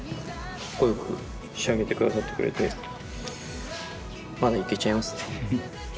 かっこよく仕上げてくださってくれて、まだいけちゃいますね。